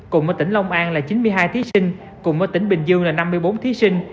cùng ở tỉnh lông an là chín mươi hai thí sinh cùng ở tỉnh bình dương là năm mươi bốn thí sinh